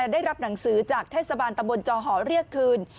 ได้รับหนังสือจากเทศบาลตำบลจอหอเรียกคืน